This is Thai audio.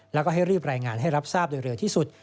แล้วก็ให้รีบรายงานให้รับทราบโดยเร็วที่สุด